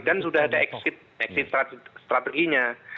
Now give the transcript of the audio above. dan sudah ada exit strateginya